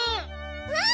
うん！